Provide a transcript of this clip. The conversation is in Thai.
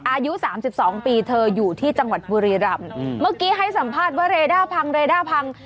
อายุสามสิบสองปีเธออยู่ที่จังหวัดบุรีรำเมื่อกี้ให้สัมภาษณ์ว่าเรด้าพังเรด้าพัง